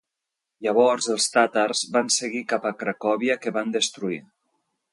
Llavors els tàtars van seguir cap a Cracòvia que van destruir.